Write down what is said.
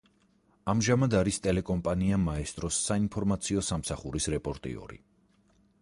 ამჟამად არის ტელეკომპანია მაესტროს საინფორმაციო სამსახურის რეპორტიორი.